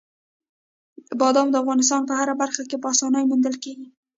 بادام د افغانستان په هره برخه کې په اسانۍ موندل کېږي.